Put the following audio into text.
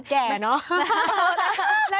แก่เนอะ